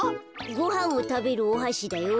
ごはんをたべるおはしだよ。